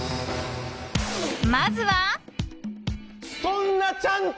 まずは。